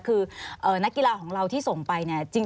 คือนักกีฬาของเราที่ส่งไปเนี่ย